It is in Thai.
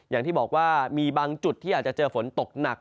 อย่างที่บอกว่ามีบางจุดที่อาจจะเจอฝนตกหนัก